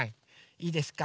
いいですか